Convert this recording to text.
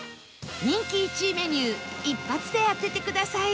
人気１位メニュー一発で当ててください